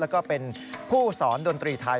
แล้วก็เป็นผู้สอนดนตรีไทย